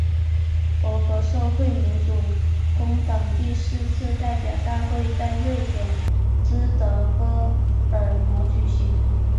俄国社会民主工党第四次代表大会在瑞典斯德哥尔摩举行。